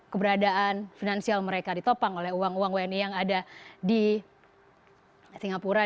keberadaan finansial mereka ditopang oleh uang uang wni yang ada di singapura